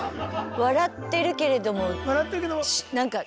笑ってるけれどもなんか。